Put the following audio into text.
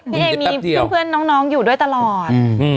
พี่เอมีเพื่อนน้องอยู่ด้วยตลอด